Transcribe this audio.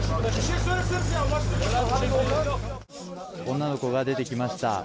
女の子が出てきました。